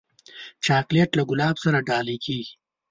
چاکلېټ له ګلاب سره ډالۍ کېږي.